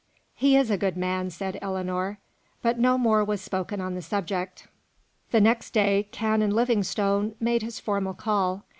"He is a good man," said Ellinor. But no more was spoken on the subject. The next day, Canon Livingstone made his formal call.